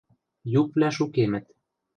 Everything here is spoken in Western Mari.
Юквлӓ шукемӹт.